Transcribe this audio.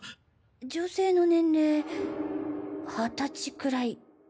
女性の年齢ハタチくらい？